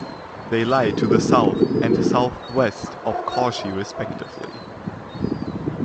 They lie to the south and southwest of Cauchy respectively.